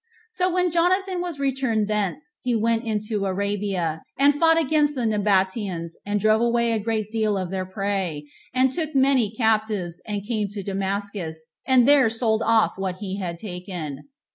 So when Jonathan was returned thence, he went into Arabia, and fought against the Nabateans, and drove away a great deal of their prey, and took [many] captives, and came to Damascus, and there sold off what he had taken.